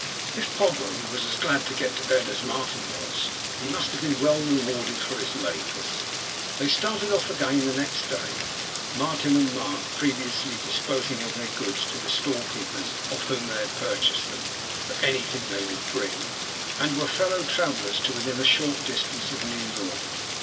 If Pogram was as glad to get to bed as Martin was, he must have been well rewarded for his labours. They started off again next day (Martin and Mark previously disposing of their goods to the storekeepers of whom they had purchased them, for anything they would bring), and were fellow travellers to within a short distance of New York.